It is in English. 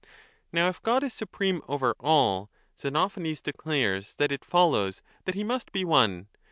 Now if God is supreme over all, Xenophanes declares that it follows that he must be one.